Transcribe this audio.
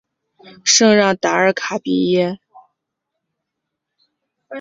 圣让达尔卡皮耶。